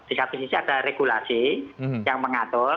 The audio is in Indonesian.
di satu sisi ada regulasi yang mengatur